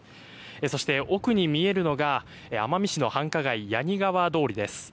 そして、奥に見えるのが奄美市の繁華街です。